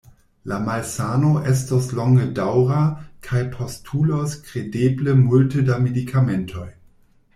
La malsano estos longedaŭra kaj postulos kredeble multe da medikamentoj.